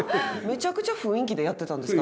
むちゃくちゃ雰囲気でやってたんですか？